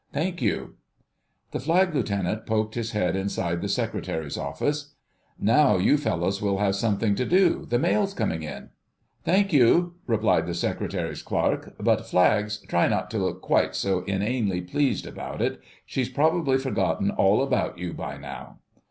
Thank you." The Flag Lieutenant poked his head inside the Secretary's Office. "Now you fellows will have something to do—the mail's coming in!" "Thank you," replied the Secretary's Clerk. "But, Flags, try not to look quite so inanely pleased about it. She's probably forgotten all about you by now."